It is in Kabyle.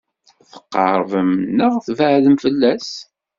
Tqeṛbem neɣ tbeɛdem fell-as?